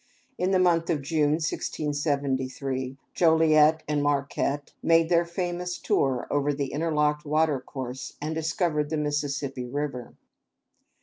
In the month of June, 1673, Joliet and Marquette made their famous tour over the interlocked watercourse and discovered the Mississippi River.